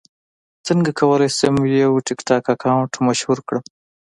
څنګه کولی شم یو ټکټاک اکاونټ مشهور کړم